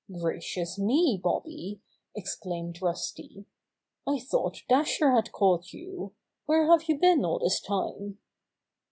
"Gracious me, Bobby!" exclaimed Rusty. "I thought Dasher had caught you. Where have you been all this time!"